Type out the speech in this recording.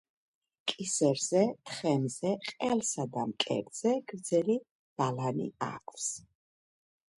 კისერზე, თხემზე, ყელსა და მკერდზე გრძელი ბალანი აქვს.